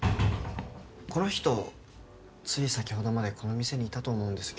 この人つい先ほどまでこの店にいたと思うんですけど。